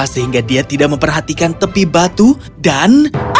sehingga dia tidak memperhatikan tepi batu dan